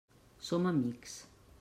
Som amics.